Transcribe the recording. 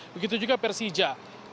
begitu juga persija